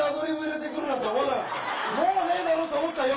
もうねえだろうと思ったよ。